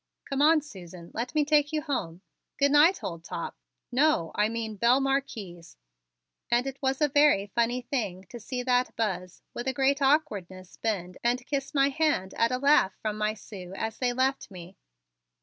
"Come on, Susan, let me take you home. Good night, old top no, I mean belle Marquise" and it was a very funny thing to see that Buzz with a great awkwardness, bend and kiss my hand at a laugh from my Sue as they left me.